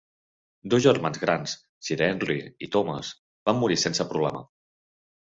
Dos germans grans Sir Henry i Thomas van morir sense problema.